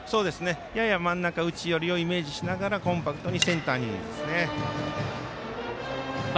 やや真ん中内寄りを意識しながらコンパクトにセンターにですね。